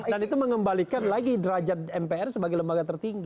itu mengembalikan lagi derajat mpr sebagai lembaga tertinggi